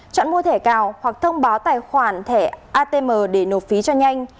chọn mua thẻ cào hoặc thông báo tài khoản thẻ atm để nộp phí cho nhanh